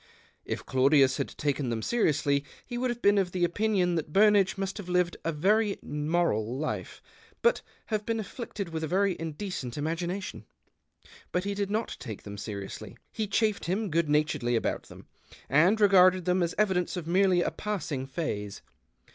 If Claudius had taken them seriously, he would have been of the opinion that Burnage must have lived a very moral life, but have Ijeen afflicted with a very indecent imagina tion. But he did not take them seriously ; he chaffed him good naturedly about them, and regarded them as evidence of merely a passing phase.